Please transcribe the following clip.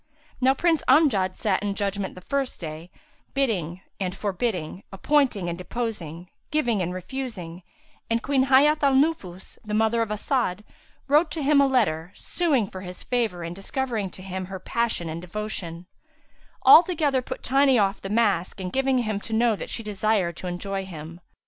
Now Prince Amjad sat in judgement the first day, bidding and forbidding, appointing and deposing, giving and refusing; and Queen Hayat al Nufus, mother of As'ad, wrote to him a letter suing for his favour and discovering to him her passion and devotion; altogether put tiny off the mask and giving him to know that she desired to enjoy him.